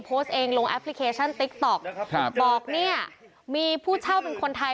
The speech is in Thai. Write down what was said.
โพสต์เองลงแอปพลิเคชันติ๊กต๊อกครับบอกเนี่ยมีผู้เช่าเป็นคนไทย